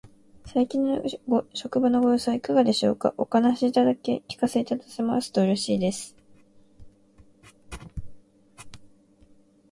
最近の職場のご様子はいかがでしょうか。お聞かせいただけますと嬉しいです。